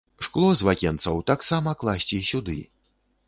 Шкло з вакенцаў таксама класці сюды.